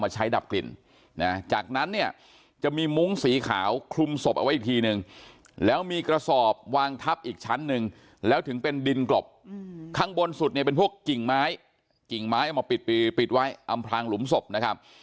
ใช้ดับกลิ่นนะจากนั้นเนี่ยจะมีมุ้งสีขาวคลุมศพเอาไว้อีกทีนึงแล้วมีกระสอบวางทับอีกชั้นหนึ่งแล้วถึงเป็นดินกลบข้างบนสุดเนี่ยเป็นพวกกิ่งไม้กิ่งไม้เอามาปิดไว้อำพลางหลุมศพนะครับ